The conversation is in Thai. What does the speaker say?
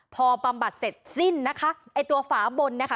พอบำบัดเสร็จสิ้นนะคะไอ้ตัวฝาบนนะคะ